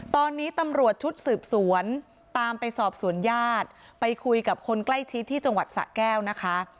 ตอนนี้ตำรวจชุดสืบสวนตามไปสอบสวนญาติไปคุยกับคนใกล้ชิดที่จังหวัดสะแก้วนะคะ